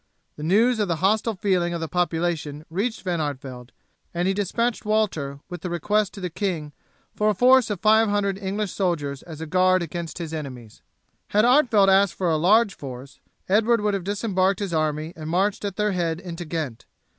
The news of the hostile feeling of the population reached Van Artevelde, and he despatched Walter with the request to the king for a force of five hundred English soldiers as a guard against his enemies. Had Artevelde asked for a large force, Edward would have disembarked his army and marched at their head into Ghent.